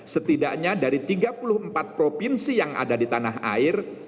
setidaknya dari tiga puluh empat provinsi yang ada di tanah air